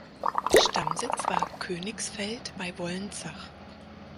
Stammsitz war Königsfeld bei Wolnzach.